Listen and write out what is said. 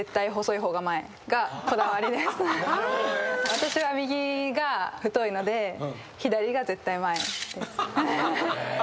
私は右が太いので左が絶対前です。